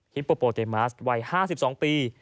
ฮิปโปโปเตม้าวัย๕๒ปี